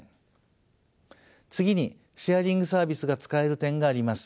次にシェアリングサービスが使える点があります。